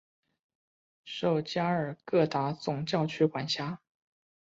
受加尔各答总教区管辖。